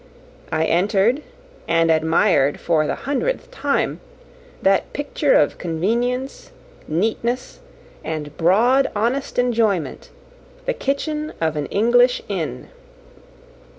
I entered, and admired, for the hundredth time, that picture of convenience, neatness, and broad, honest enjoyment, the kitchen of an English inn.